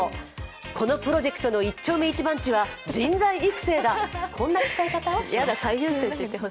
このプロジェクトの一丁目一番地は人材育成だ、こんな使い方をします。